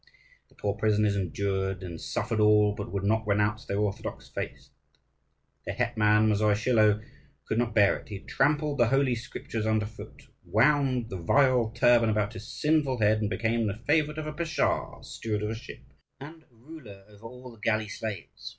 The poor prisoners endured and suffered all, but would not renounce their orthodox faith. Their hetman, Mosiy Schilo, could not bear it: he trampled the Holy Scriptures under foot, wound the vile turban about his sinful head, and became the favourite of a pasha, steward of a ship, and ruler over all the galley slaves.